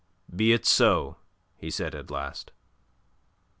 "Be it so," he said at last.